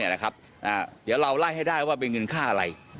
เดี๋ยวเราไล่ให้ได้ว่าเป็นเงินค่าอะไร